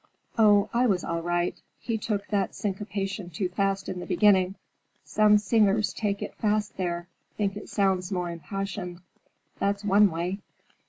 Oh, I was all right! He took that syncopation too fast in the beginning. Some singers take it fast there—think it sounds more impassioned. That's one way!"